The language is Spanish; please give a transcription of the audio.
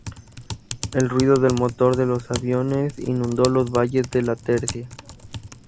El ruido del motor de los aviones inundó los valles de La Tercia.